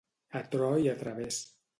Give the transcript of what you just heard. A tro i a través.